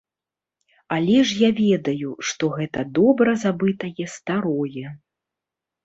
Але ж я ведаю, што гэта добра забытае старое.